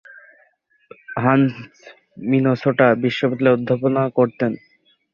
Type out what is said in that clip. Hans Minnesota বিশ্ববিদ্যালয়ে অধ্যাপনা করতেন।